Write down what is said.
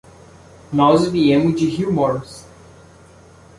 Nós viemos de Riumors.